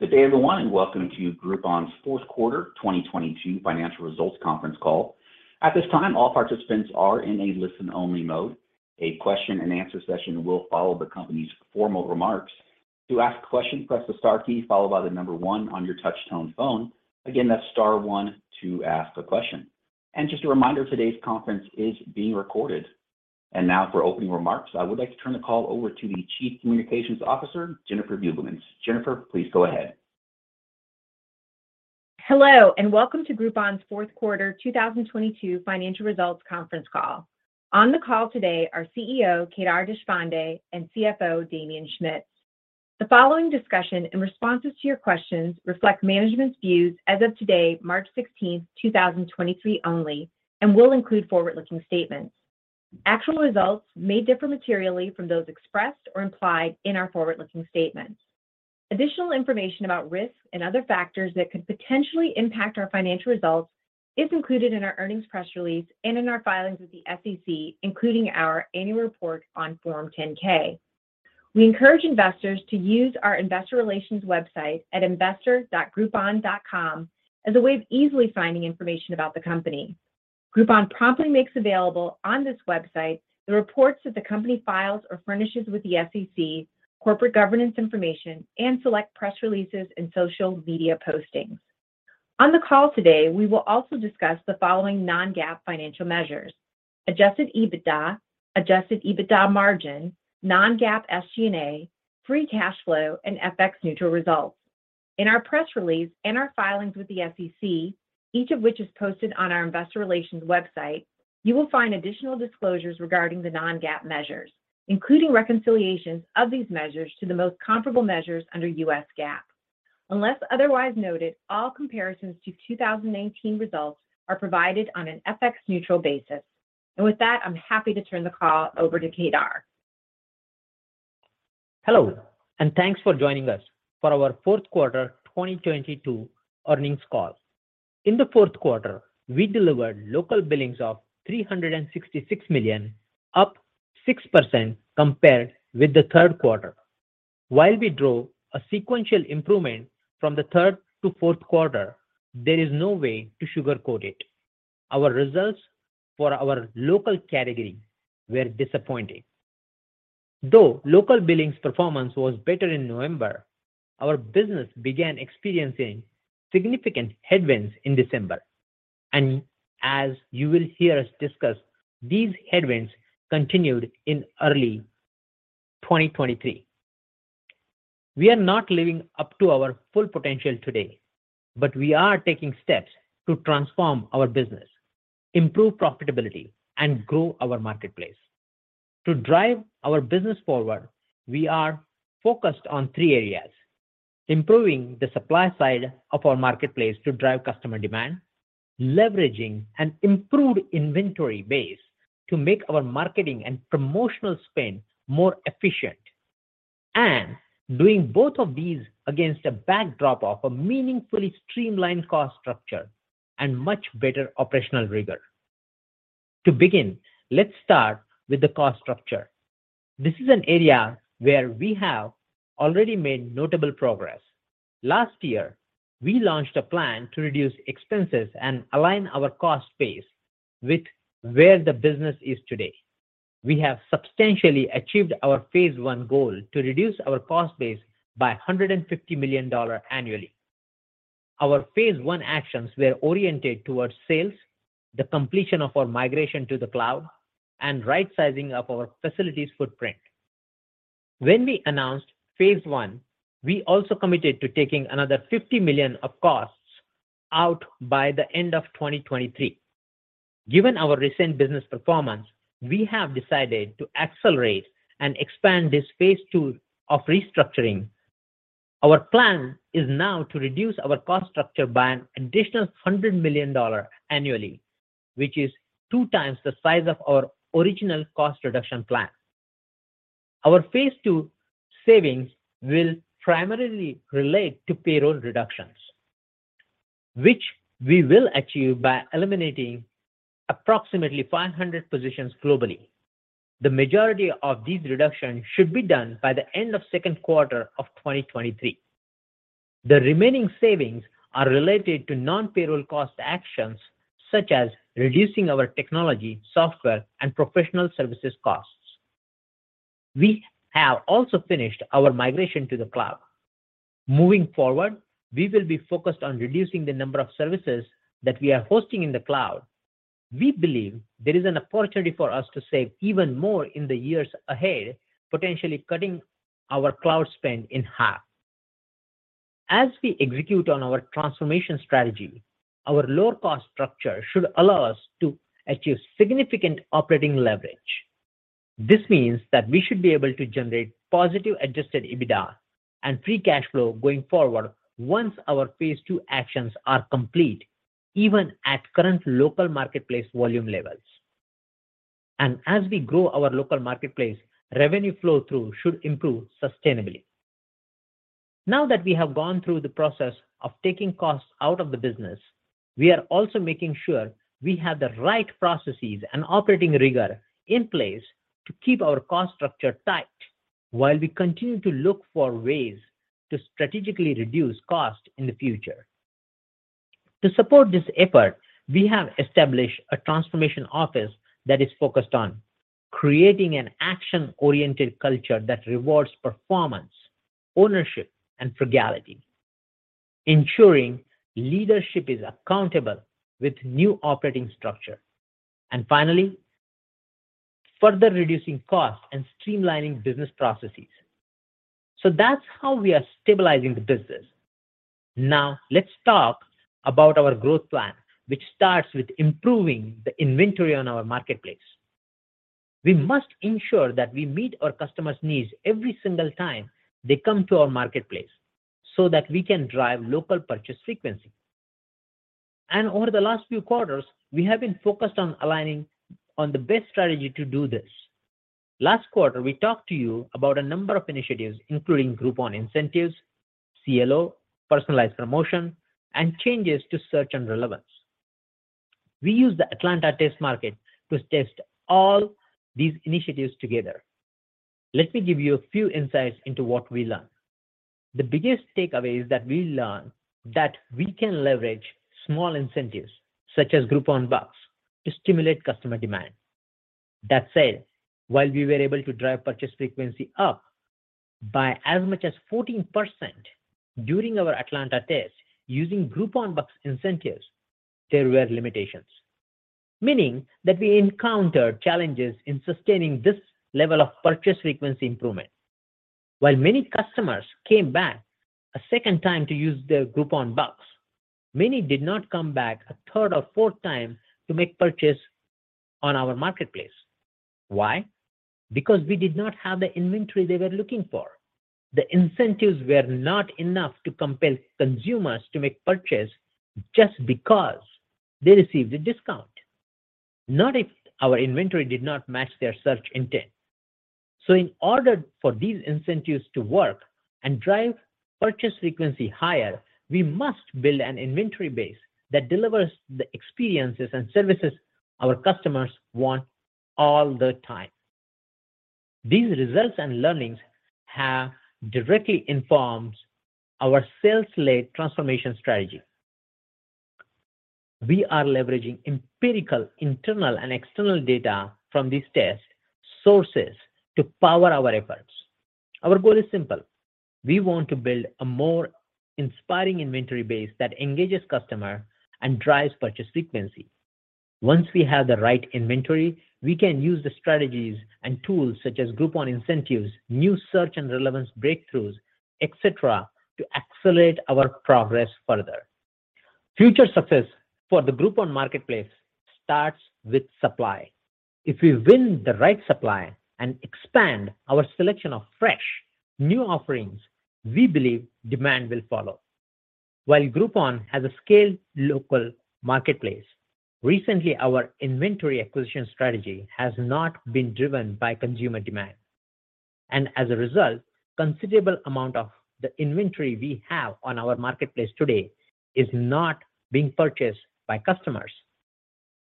Good day, everyone, and welcome to Groupon's fourth quarter 2022 financial results conference call. At this time, all participants are in a listen-only mode. A question-and-answer session will follow the company's formal remarks. To ask questions, press the star key followed by the number one on your touch-tone phone. Again, that's star one to ask a question. Just a reminder, today's conference is being recorded. Now for opening remarks, I would like to turn the call over to the Chief Communications Officer, Jennifer Beugelmans. Jennifer, please go ahead. Hello, welcome to Groupon's fourth quarter 2022 financial results conference call. On the call today are CEO, Kedar Deshpande, and CFO, Damien Schmitz. The following discussion and responses to your questions reflect management's views as of today, March 16th, 2023 only, will include forward-looking statements. Actual results may differ materially from those expressed or implied in our forward-looking statements. Additional information about risks and other factors that could potentially impact our financial results is included in our earnings press release and in our filings with the SEC, including our annual report on Form 10-K. We encourage investors to use our investor relations website at investor.groupon.com as a way of easily finding information about the company. Groupon promptly makes available on this website the reports that the company files or furnishes with the SEC, corporate governance information, and select press releases and social media postings. On the call today, we will also discuss the following non-GAAP financial measures: adjusted EBITDA, adjusted EBITDA margin, non-GAAP SG&A, free cash flow, and FX-neutral results. In our press release and our filings with the SEC, each of which is posted on our investor relations website, you will find additional disclosures regarding the non-GAAP measures, including reconciliations of these measures to the most comparable measures under U.S. GAAP. Unless otherwise noted, all comparisons to 2019 results are provided on an FX-neutral basis. With that, I'm happy to turn the call over to Kedar. Hello, thanks for joining us for our fourth quarter 2022 earnings call. In the fourth quarter, we delivered local billings of $366 million, up 6% compared with the third quarter. While we drove a sequential improvement from the third to fourth quarter, there is no way to sugarcoat it. Our results for our local category were disappointing. Though local billings performance was better in November, our business began experiencing significant headwinds in December. As you will hear us discuss, these headwinds continued in early 2023. We are not living up to our full potential today, we are taking steps to transform our business, improve profitability, and grow our marketplace. To drive our business forward, we are focused on three areas: improving the supply side of our marketplace to drive customer demand, leveraging an improved inventory base to make our marketing and promotional spend more efficient, and doing both of these against a backdrop of a meaningfully streamlined cost structure and much better operational rigor. To begin, let's start with the cost structure. This is an area where we have already made notable progress. Last year, we launched a plan to reduce expenses and align our cost base with where the business is today. We have substantially achieved our phase I goal to reduce our cost base by $150 million annually. Our phase I actions were oriented towards sales, the completion of our migration to the cloud, and rightsizing of our facilities footprint. When we announced phase I, we also committed to taking another $50 million of costs out by the end of 2023. Given our recent business performance, we have decided to accelerate and expand this phase II of restructuring. Our plan is now to reduce our cost structure by an additional $100 million annually, which is 2x the size of our original cost reduction plan. Our phase II savings will primarily relate to payroll reductions, which we will achieve by eliminating approximately 500 positions globally. The majority of these reductions should be done by the end of second quarter of 2023. The remaining savings are related to non-payroll cost actions such as reducing our technology, software, and professional services costs. We have also finished our migration to the cloud. Moving forward, we will be focused on reducing the number of services that we are hosting in the cloud. We believe there is an opportunity for us to save even more in the years ahead, potentially cutting our cloud spend in half. As we execute on our transformation strategy, our lower cost structure should allow us to achieve significant operating leverage. This means that we should be able to generate positive adjusted EBITDA and free cash flow going forward once our phase II actions are complete, even at current local marketplace volume levels. As we grow our local marketplace, revenue flow-through should improve sustainably. Now that we have gone through the process of taking costs out of the business. We are also making sure we have the right processes and operating rigor in place to keep our cost structure tight while we continue to look for ways to strategically reduce costs in the future. To support this effort, we have established a transformation office that is focused on creating an action-oriented culture that rewards performance, ownership, and frugality, ensuring leadership is accountable with new operating structure, and finally, further reducing costs and streamlining business processes. That's how we are stabilizing the business. Now, let's talk about our growth plan, which starts with improving the inventory on our marketplace. We must ensure that we meet our customers' needs every single time they come to our marketplace so that we can drive local purchase frequency. Over the last few quarters, we have been focused on aligning on the best strategy to do this. Last quarter, we talked to you about a number of initiatives, including Groupon incentives, CLO, personalized promotion, and changes to search and relevance. We used the Atlanta test market to test all these initiatives together. Let me give you a few insights into what we learned. The biggest takeaway is that we learned that we can leverage small incentives, such as Groupon Bucks, to stimulate customer demand. That said, while we were able to drive purchase frequency up by as much as 14% during our Atlanta test using Groupon Bucks incentives, there were limitations, meaning that we encountered challenges in sustaining this level of purchase frequency improvement. While many customers came back a second time to use their Groupon Bucks, many did not come back a third or fourth time to make purchase on our marketplace. Why? We did not have the inventory they were looking for. The incentives were not enough to compel consumers to make purchase just because they received a discount, not if our inventory did not match their search intent. In order for these incentives to work and drive purchase frequency higher, we must build an inventory base that delivers the experiences and services our customers want all the time. These results and learnings have directly informed our sales-led transformation strategy. We are leveraging empirical, internal, and external data from these test sources to power our efforts. Our goal is simple. We want to build a more inspiring inventory base that engages customer and drives purchase frequency. Once we have the right inventory, we can use the strategies and tools such as Groupon incentives, new search and relevance breakthroughs, et cetera, to accelerate our progress further. Future success for the Groupon marketplace starts with supply. If we win the right supply and expand our selection of fresh, new offerings, we believe demand will follow. While Groupon has a scaled local marketplace, recently, our inventory acquisition strategy has not been driven by consumer demand. As a result, considerable amount of the inventory we have on our marketplace today is not being purchased by customers.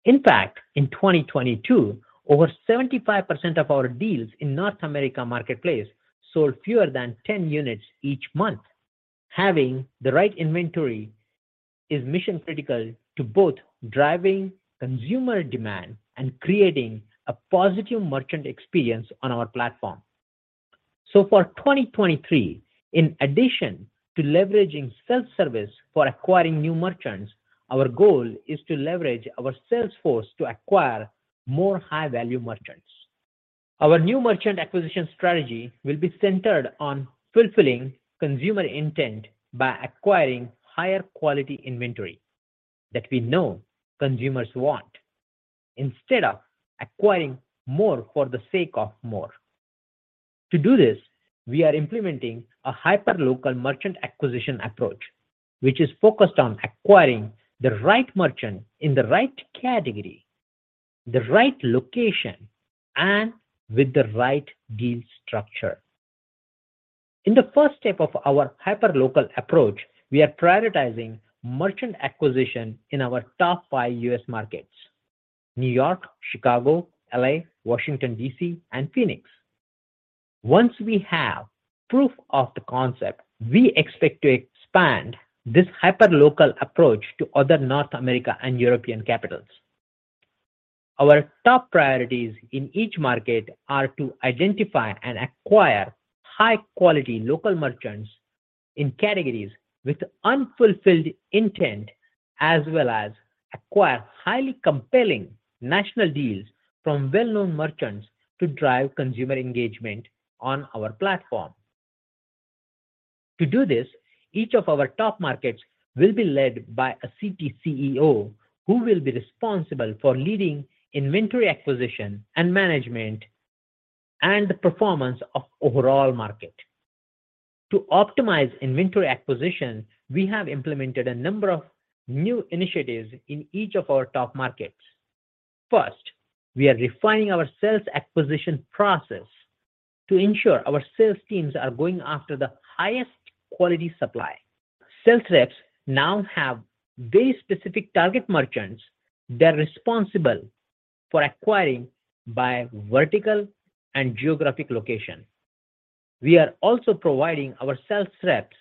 In fact, in 2022, over 75% of our deals in North America marketplace sold fewer than 10 units each month. Having the right inventory is mission-critical to both driving consumer demand and creating a positive merchant experience on our platform. For 2023, in addition to leveraging self-service for acquiring new merchants, our goal is to leverage our salesforce to acquire more high-value merchants. Our new merchant acquisition strategy will be centered on fulfilling consumer intent by acquiring higher quality inventory that we know consumers want instead of acquiring more for the sake of more. To do this, we are implementing a hyperlocal merchant acquisition approach, which is focused on acquiring the right merchant in the right category, the right location, and with the right deal structure. In the first step of our hyperlocal approach, we are prioritizing merchant acquisition in our top five U.S. markets: New York, Chicago, L.A., Washington, D.C., and Phoenix. Once we have proof of the concept, we expect to expand this hyperlocal approach to other North America and European capitals. Our top priorities in each market are to identify and acquire high-quality local merchants in categories with unfulfilled intent, as well as acquire highly compelling national deals from well-known merchants to drive consumer engagement on our platform. To do this, each of our top markets will be led by a city CEO who will be responsible for leading inventory acquisition and management and the performance of overall market. To optimize inventory acquisition, we have implemented a number of new initiatives in each of our top markets. First, we are refining our sales acquisition process to ensure our sales teams are going after the highest quality supply. Sales reps now have very specific target merchants they're responsible for acquiring by vertical and geographic location. We are also providing our sales reps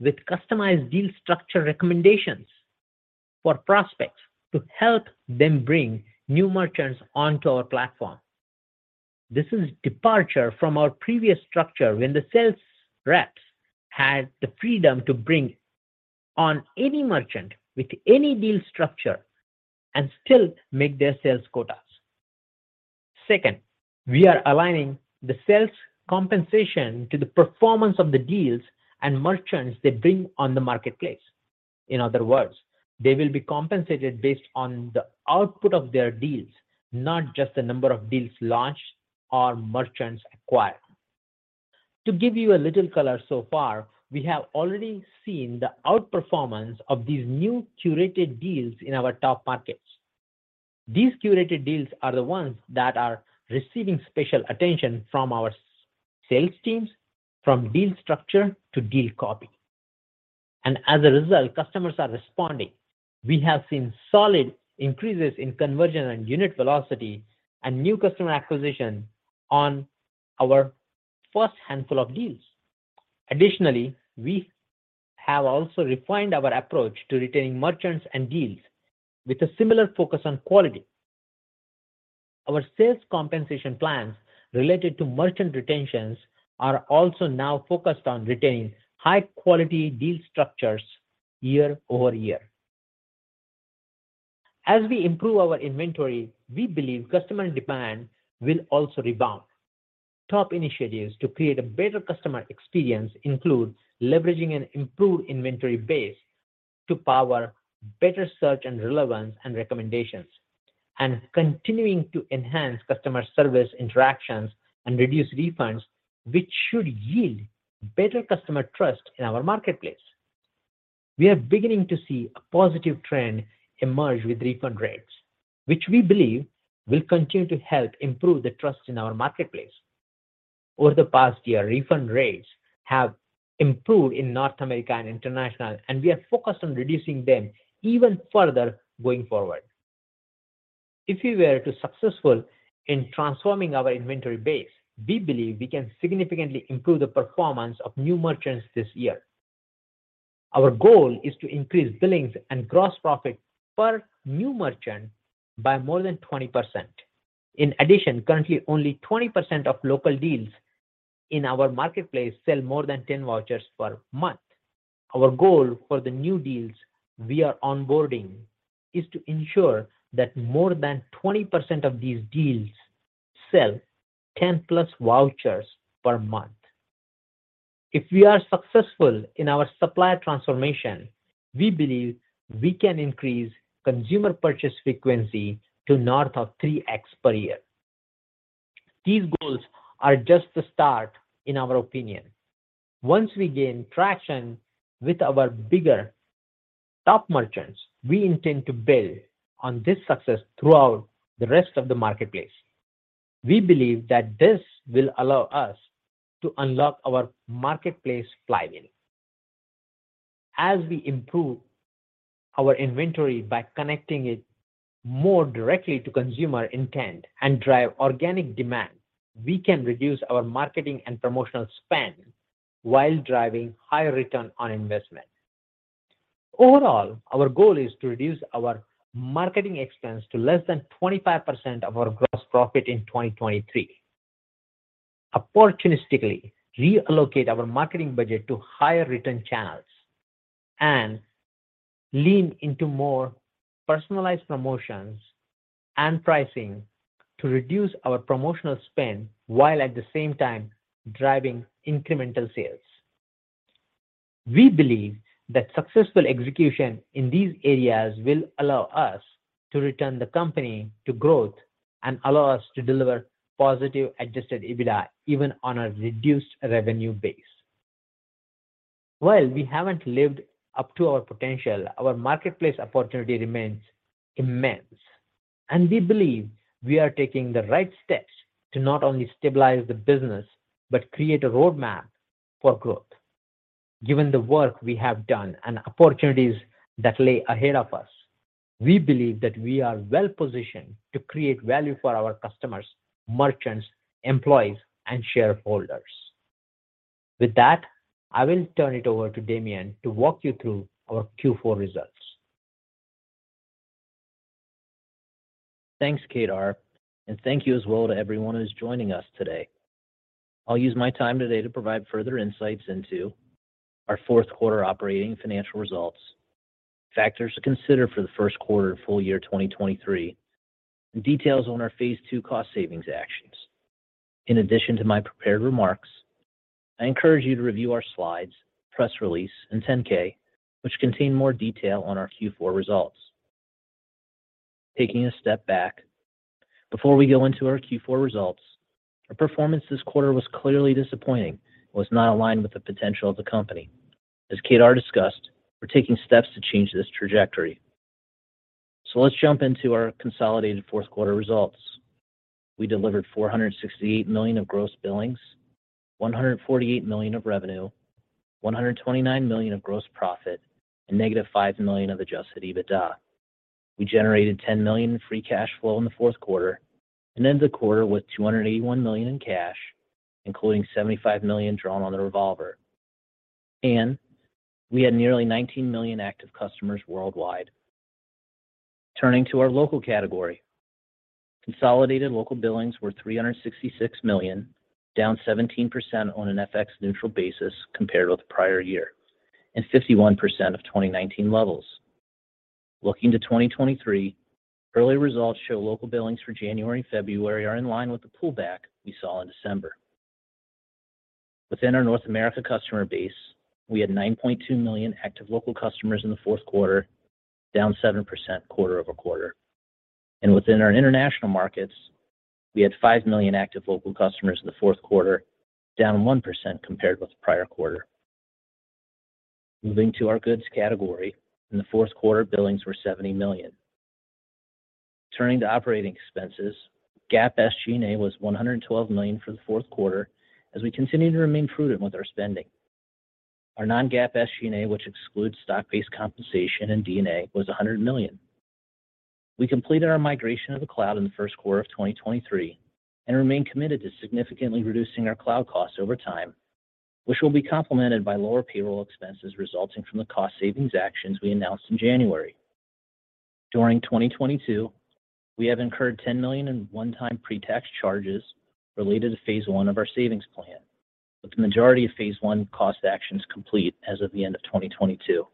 with customized deal structure recommendations for prospects to help them bring new merchants onto our platform. This is departure from our previous structure when the sales reps had the freedom to bring on any merchant with any deal structure and still make their sales quotas. Second, we are aligning the sales compensation to the performance of the deals and merchants they bring on the marketplace. In other words, they will be compensated based on the output of their deals, not just the number of deals launched or merchants acquired. To give you a little color so far, we have already seen the outperformance of these new curated deals in our top markets. These curated deals are the ones that are receiving special attention from our sales teams, from deal structure to deal copy. As a result, customers are responding. We have seen solid increases in conversion and unit velocity and new customer acquisition on our first handful of deals. Additionally, we have also refined our approach to retaining merchants and deals with a similar focus on quality. Our sales compensation plans related to merchant retentions are also now focused on retaining high quality deal structures year-over-year. As we improve our inventory, we believe customer demand will also rebound. Top initiatives to create a better customer experience include leveraging an improved inventory base to power better search and relevance and recommendations, and continuing to enhance customer service interactions and reduce refunds, which should yield better customer trust in our marketplace. We are beginning to see a positive trend emerge with refund rates, which we believe will continue to help improve the trust in our marketplace. Over the past year, refund rates have improved in North America and international, and we are focused on reducing them even further going forward. If we were to successful in transforming our inventory base, we believe we can significantly improve the performance of new merchants this year. Our goal is to increase billings and gross profit per new merchant by more than 20%. In addition, currently only 20% of local deals in our marketplace sell more than 10 vouchers per month. Our goal for the new deals we are onboarding is to ensure that more than 20% of these deals sell 10+ vouchers per month. If we are successful in our supply transformation, we believe we can increase consumer purchase frequency to north of 3x per year. These goals are just the start in our opinion. Once we gain traction with our bigger top merchants, we intend to build on this success throughout the rest of the marketplace. We believe that this will allow us to unlock our marketplace flywheel. As we improve our inventory by connecting it more directly to consumer intent and drive organic demand, we can reduce our marketing and promotional spend while driving higher return on investment. Overall, our goal is to reduce our marketing expense to less than 25% of our gross profit in 2023. Opportunistically reallocate our marketing budget to higher return channels and lean into more personalized promotions and pricing to reduce our promotional spend while at the same time driving incremental sales. We believe that successful execution in these areas will allow us to return the company to growth and allow us to deliver positive adjusted EBITDA even on a reduced revenue base. While we haven't lived up to our potential, our marketplace opportunity remains immense, and we believe we are taking the right steps to not only stabilize the business, but create a roadmap for growth. Given the work we have done and opportunities that lay ahead of us, we believe that we are well-positioned to create value for our customers, merchants, employees, and shareholders. With that, I will turn it over to Damien to walk you through our Q4 results. Thanks, Kedar, thank you as well to everyone who's joining us today. I'll use my time today to provide further insights into our fourth quarter operating and financial results, factors to consider for the first quarter and full year 2023, and details on our phase II cost savings actions. In addition to my prepared remarks, I encourage you to review our slides, press release, and Form 10-K, which contain more detail on our Q4 results. Taking a step back, before we go into our Q4 results, our performance this quarter was clearly disappointing and was not aligned with the potential of the company. As Kedar discussed, we're taking steps to change this trajectory. Let's jump into our consolidated fourth quarter results. We delivered $468 million of gross billings, $148 million of revenue, $129 million of gross profit, and -$5 million of adjusted EBITDA. We generated $10 million in free cash flow in the fourth quarter, ended the quarter with $281 million in cash, including $75 million drawn on the revolver. We had nearly 19 million active customers worldwide. Turning to our local category. Consolidated local billings were $366 million, down 17% on an FX-neutral basis compared with prior year, and 51% of 2019 levels. Looking to 2023, early results show local billings for January and February are in line with the pullback we saw in December. Within our North America customer base, we had $9.2 million active local customers in the fourth quarter, down 7% quarter-over-quarter. Within our international markets, we had $5 million active local customers in the fourth quarter, down 1% compared with the prior quarter. Moving to our goods category, and the fourth quarter billings were $70 million. Turning to operating expenses, GAAP SG&A was $112 million for the fourth quarter as we continue to remain prudent with our spending. Our non-GAAP SG&A, which excludes stock-based compensation and D&A, was $100 million. We completed our migration of the cloud in the first quarter of 2023 and remain committed to significantly reducing our cloud costs over time, which will be complemented by lower payroll expenses resulting from the cost savings actions we announced in January. During 2022, we have incurred $10 million in one-time pre-tax charges related to phase I of our savings plan, with the majority of phase I cost actions complete as of the end of 2022.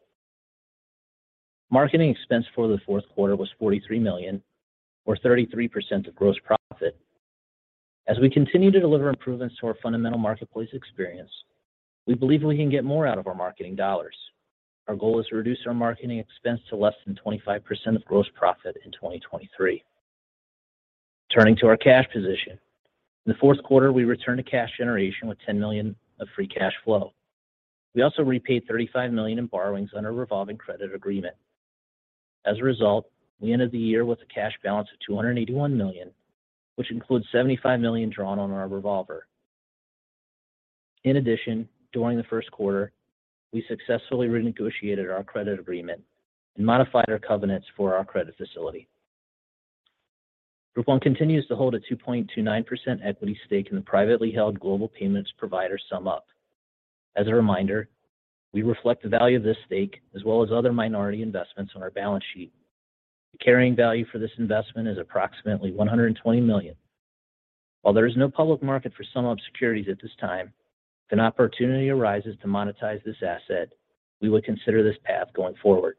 Marketing expense for the fourth quarter was $43 million or 33% of gross profit. We continue to deliver improvements to our fundamental marketplace experience, we believe we can get more out of our marketing dollars. Our goal is to reduce our marketing expense to less than 25% of gross profit in 2023. Turning to our cash position. In the fourth quarter, we returned to cash generation with $10 million of free cash flow. We also repaid $35 million in borrowings on our revolving credit agreement. As a result, we ended the year with a cash balance of $281 million, which includes $75 million drawn on our revolver. In addition, during the first quarter, we successfully renegotiated our credit agreement and modified our covenants for our credit facility. Groupon continues to hold a 2.29% equity stake in the privately held global payments provider SumUp. As a reminder, we reflect the value of this stake as well as other minority investments on our balance sheet. The carrying value for this investment is approximately $120 million. While there is no public market for SumUp securities at this time, if an opportunity arises to monetize this asset, we would consider this path going forward.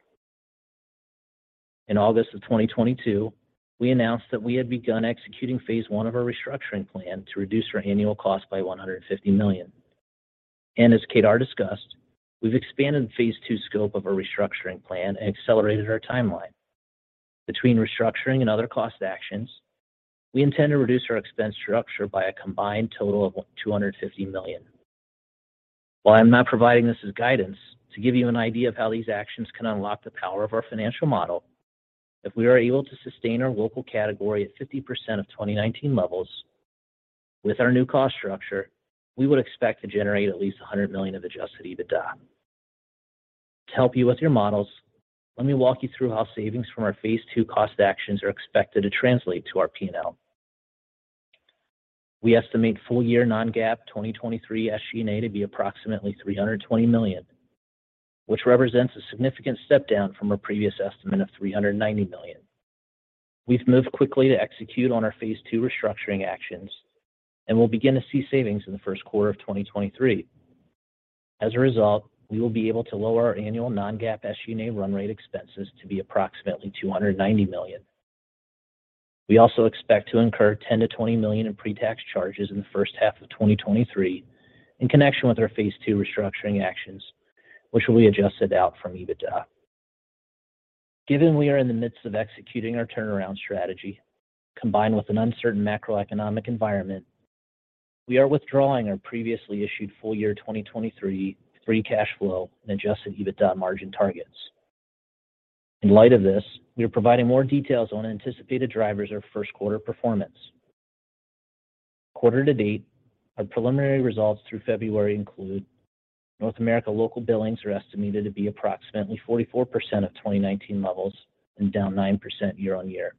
In August of 2022, we announced that we had begun executing phase I of our restructuring plan to reduce our annual cost by $150 million. As Kedar discussed, we've expanded the phase II scope of our restructuring plan and accelerated our timeline. Between restructuring and other cost actions, we intend to reduce our expense structure by a combined total of $250 million. While I'm not providing this as guidance, to give you an idea of how these actions can unlock the power of our financial model, if we are able to sustain our local category at 50% of 2019 levels with our new cost structure, we would expect to generate at least $100 million of adjusted EBITDA. To help you with your models, let me walk you through how savings from our phase II cost actions are expected to translate to our P&L. We estimate full year non-GAAP 2023 SG&A to be approximately $320 million, which represents a significant step down from our previous estimate of $390 million. We've moved quickly to execute on our phase II restructuring actions, and we'll begin to see savings in the first quarter of 2023. As a result, we will be able to lower our annual non-GAAP SG&A run rate expenses to be approximately $290 million. We also expect to incur $10 million-$20 million in pre-tax charges in the first half of 2023 in connection with our phase II restructuring actions, which will be adjusted out from EBITDA. Given we are in the midst of executing our turnaround strategy, combined with an uncertain macroeconomic environment, we are withdrawing our previously issued full year 2023 free cash flow and adjusted EBITDA margin targets. In light of this, we are providing more details on anticipated drivers of our first quarter performance. Quarter to date, our preliminary results through February include North America local billings are estimated to be approximately 44% of 2019 levels and down 9% year-over-year.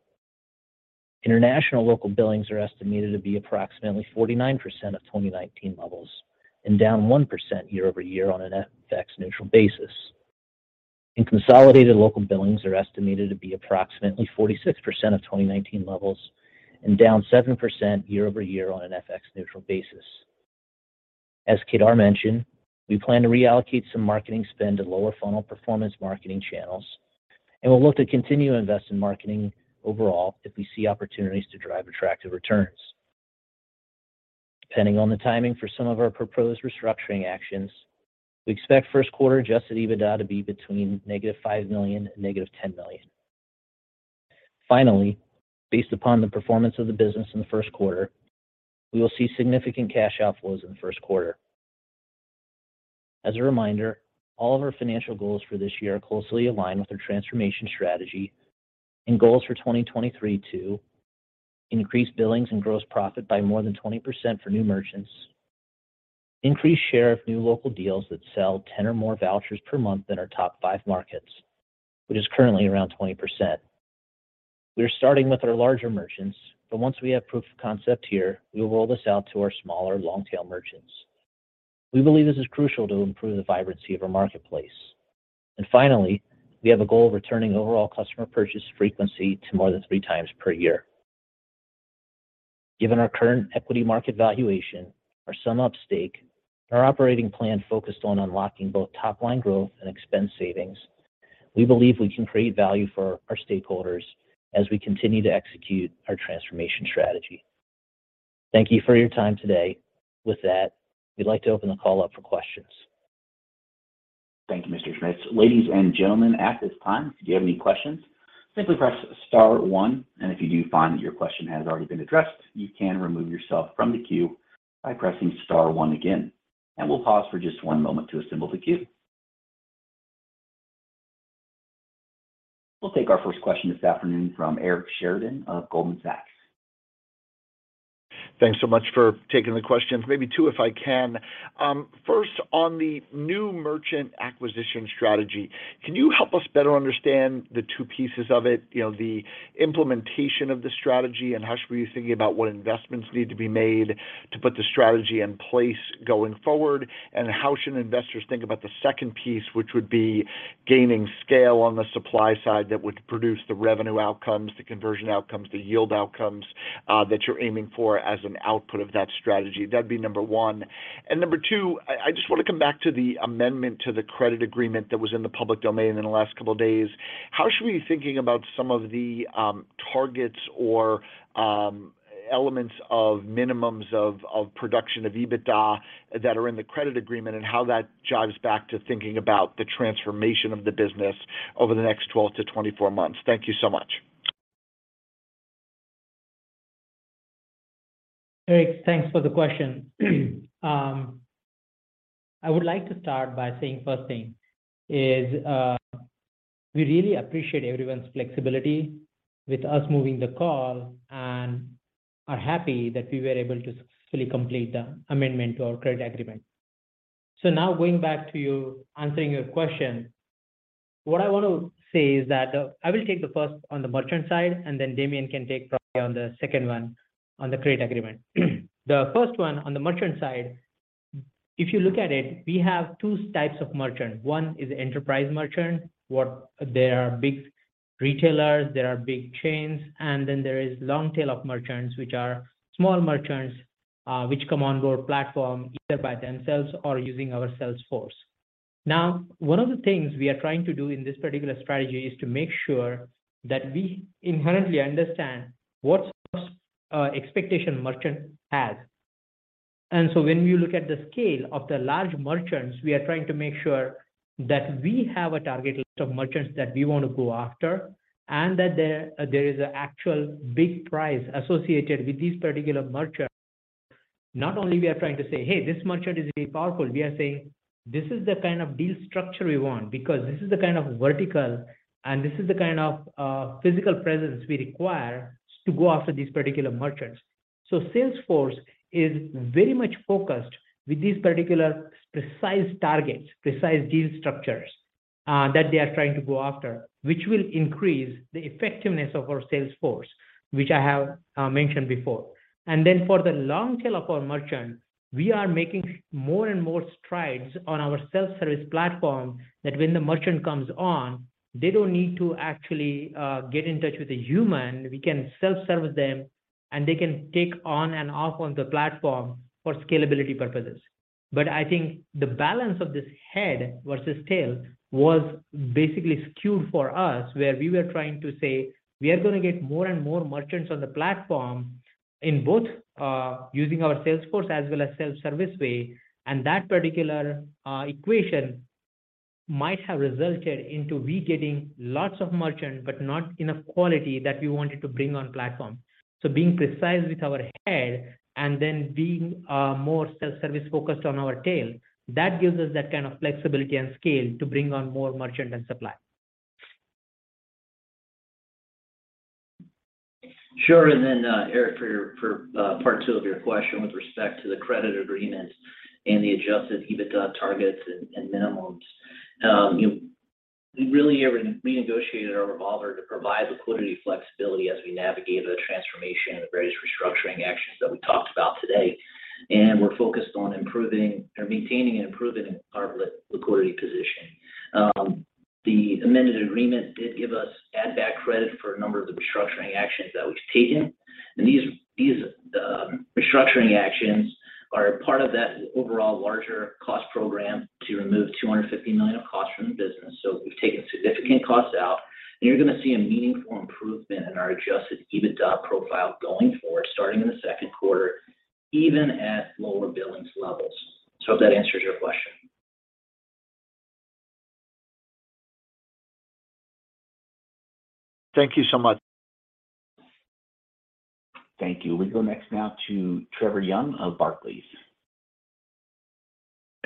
International local billings are estimated to be approximately 49% of 2019 levels and down 1% year-over-year on an FX-neutral basis. Consolidated local billings are estimated to be approximately 46% of 2019 levels and down 7% year-over-year on an FX-neutral basis. As Kedar mentioned, we plan to reallocate some marketing spend to lower funnel performance marketing channels, and we'll look to continue to invest in marketing overall if we see opportunities to drive attractive returns. Depending on the timing for some of our proposed restructuring actions, we expect first quarter adjusted EBITDA to be between -$5 million and -$10 million. Based upon the performance of the business in the first quarter, we will see significant cash outflows in the first quarter. As a reminder, all of our financial goals for this year closely align with our transformation strategy and goals for 2023 to increase billings and gross profit by more than 20% for new merchants. Increase share of new local deals that sell 10 or more vouchers per month in our top five markets, which is currently around 20%. We're starting with our larger merchants, but once we have proof of concept here, we will roll this out to our smaller long-tail merchants. We believe this is crucial to improve the vibrancy of our marketplace. Finally, we have a goal of returning overall customer purchase frequency to more than three times per year. Given our current equity market valuation, our SumUp stake, and our operating plan focused on unlocking both top-line growth and expense savings, we believe we can create value for our stakeholders as we continue to execute our transformation strategy. Thank you for your time today. We'd like to open the call up for questions. Thank you, Mr. Schmitz. Ladies and gentlemen, at this time, if you have any questions, simply press star one. If you do find that your question has already been addressed, you can remove yourself from the queue by pressing star one again. We'll pause for just one moment to assemble the queue. We'll take our first question this afternoon from Eric Sheridan of Goldman Sachs. Thanks so much for taking the questions. Maybe two, if I can. first, on the new merchant acquisition strategy, can you help us better understand the two pieces of it? You know, the implementation of the strategy, and how should we be thinking about what investments need to be made to put the strategy in place going forward? And how should investors think about the second piece, which would be gaining scale on the supply side that would produce the revenue outcomes, the conversion outcomes, the yield outcomes, that you're aiming for as an output of that strategy? That'd be number one. Number two, I just wanna come back to the amendment to the credit agreement that was in the public domain in the last couple of days. How should we be thinking about some of the targets or elements of minimums of production of EBITDA that are in the credit agreement and how that jives back to thinking about the transformation of the business over the next 12 to 24 months? Thank you so much. Eric, thanks for the question. I would like to start by saying first thing is, we really appreciate everyone's flexibility with us moving the call and are happy that we were able to successfully complete the amendment to our credit agreement. Now going back to you, answering your question, what I want to say is that I will take the first on the merchant side, Damien can take probably on the second one on the credit agreement. The first one on the merchant side, if you look at it, we have two types of merchant. One is enterprise merchant, they are big retailers, they are big chains. There is long tail of merchants, which are small merchants, which come on board platform either by themselves or using our salesforce. One of the things we are trying to do in this particular strategy is to make sure that we inherently understand what sort of expectation merchant has. When we look at the scale of the large merchants, we are trying to make sure that we have a target list of merchants that we wanna go after, and that there is an actual big prize associated with these particular merchants. Not only we are trying to say, "Hey, this merchant is very powerful," we are saying, "This is the kind of deal structure we want because this is the kind of vertical, and this is the physical presence we require to go after these particular merchants." salesforce is very much focused with these particular precise targets, precise deal structures that they are trying to go after, which will increase the effectiveness of our salesforce, which I have mentioned before. For the long tail of our merchant, we are making more and more strides on our self-service platform that when the merchant comes on, they don't need to actually get in touch with a human. We can self-service them, and they can take on and off on the platform for scalability purposes. I think the balance of this head versus tail was basically skewed for us, where we are gonna get more and more merchants on the platform in both, using our salesforce as well as self-service way. That particular equation might have resulted into we getting lots of merchant, but not enough quality that we wanted to bring on platform. Being precise with our head and then being more self-service focused on our tail, that gives us that flexibility and scale to bring on more merchant and supply. Sure. Eric, for part two of your question with respect to the credit agreement and the adjusted EBITDA targets and minimums. You know, we really renegotiated our revolver to provide liquidity flexibility as we navigate the transformation and the various restructuring actions that we talked about today. We're focused on improving or maintaining and improving our liquidity position. The amended agreement did give us add back credit for a number of the restructuring actions that we've taken. These restructuring actions are part of that overall larger cost program to remove $250 million of cost from the business. We've taken significant costs out, and you're gonna see a meaningful improvement in our adjusted EBITDA profile going forward, starting in the second quarter, even at lower billings levels. I hope that answers your question. Thank you so much. Thank you. We go next now to Trevor Young of Barclays.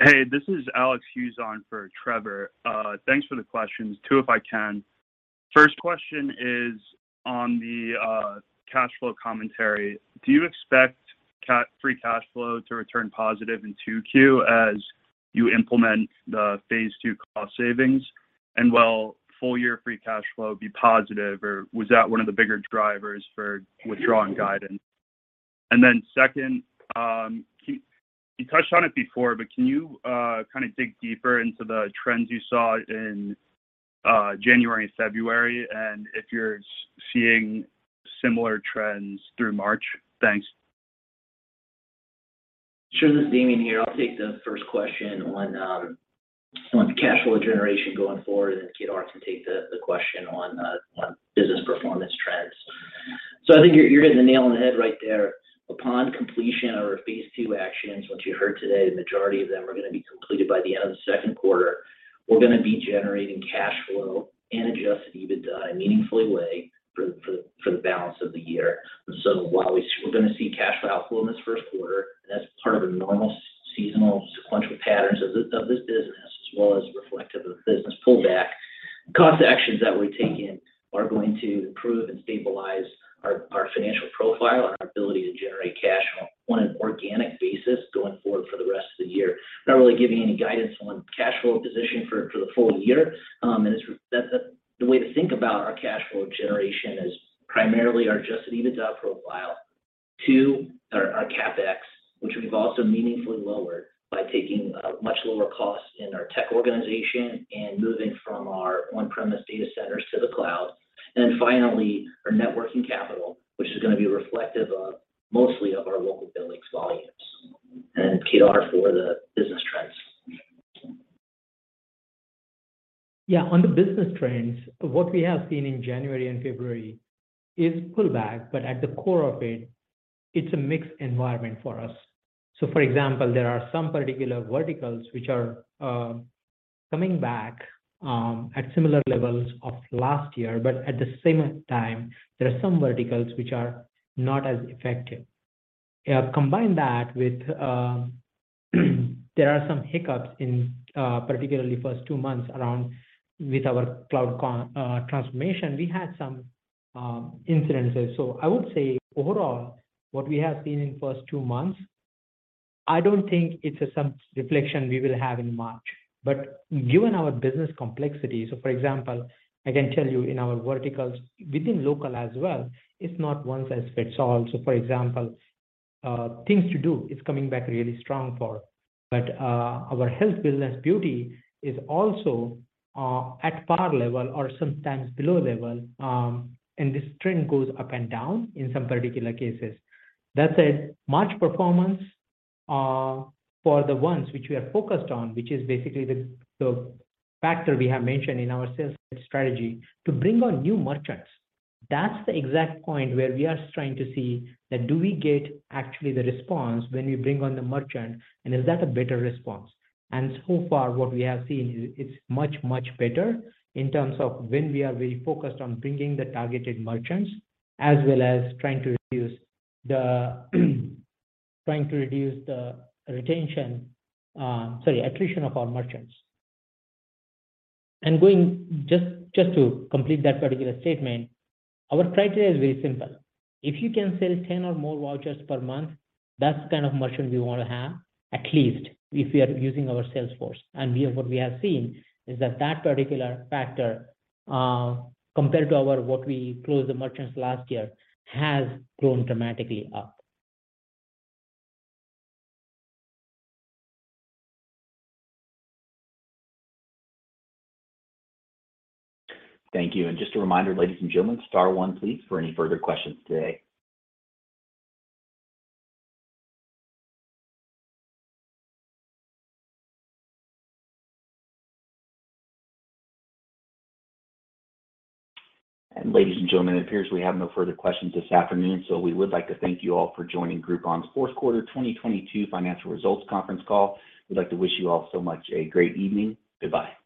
Hey, this is Alex Hughes on for Trevor. Thanks for the questions. Two if I can. First question is on the cash flow commentary. Do you expect free cash flow to return positive in 2Q as you implement the phase II cost savings? Will full year free cash flow be positive, or was that one of the bigger drivers for withdrawing guidance? Second, you touched on it before, but can you dig deeper into the trends you saw in January and February, and if you're seeing similar trends through March? Thanks. Sure. This is Damien here. I'll take the first question on cash flow generation going forward, and then Kedar can take the question on business performance trends. I think you're hitting the nail on the head right there. Upon completion of our phase II actions, which you heard today, the majority of them are gonna be completed by the end of the second quarter, we're gonna be generating cash flow and adjusted EBITDA in a meaningful way for the balance of the year. While we're going to see cash flow outflow in this first quarter, that's part of a normal seasonal sequential patterns of this business as well as reflective of the business pullback, cost actions that we're taking are going to improve and stabilize our financial profile and our ability to generate cash flow on an organic basis going forward for the rest of the year. Not really giving any guidance on cash flow position for the full year. The way to think about our cash flow generation is primarily our adjusted EBITDA profile. Two, our CapEx, which we've also meaningfully lowered by taking a much lower cost in our tech organization and moving from our on-premise data centers to the cloud. Finally, our net working capital, which is going to be reflective of mostly of our local billings volumes. Kedar for the business trends. On the business trends, what we have seen in January and February is pullback, but at the core of it's a mixed environment for us. For example, there are some particular verticals which are coming back at similar levels of last year, but at the same time, there are some verticals which are not as effective. Combine that with, there are some hiccups in particularly first two months around with our cloud transformation. We had some incidences. I would say overall what we have seen in first two months, I don't think it's a self-reflection we will have in March. Given our business complexity, so for example, I can tell you in our verticals within local as well, it's not one-size-fits-all. For example, Things To Do is coming back really strong for, but, our health, wellness, beauty is also at par level or sometimes below level. This trend goes up and down in some particular cases. That said, March performance for the ones which we are focused on, which is basically the factor we have mentioned in our sales strategy to bring on new merchants. That's the exact point where we are trying to see that do we get actually the response when we bring on the merchant, and is that a better response? So far what we have seen is it's much, much better in terms of when we are very focused on bringing the targeted merchants as well as trying to reduce the retention, sorry, attrition of our merchants. Going just to complete that particular statement, our criteria is very simple. If you can sell 10 or more vouchers per month, that's the kind of merchant we wanna have at least if you are using our salesforce. What we have seen is that particular factor, compared to our what we closed the merchants last year, has grown dramatically up. Just a reminder ladies and gentlemen, star one please for any further questions today. Ladies and gentlemen, it appears we have no further questions this afternoon, so we would like to thank you all for joining Groupon's fourth quarter 2022 financial results conference call. We'd like to wish you all so much a great evening. Goodbye.